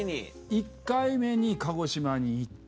１回目に鹿児島に行って。